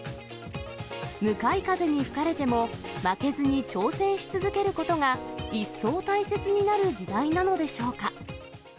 向かい風に吹かれても、負けずに挑戦し続けることが、一層大切になる時代なのでしょうか。